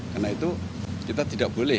karena itu kita tidak boleh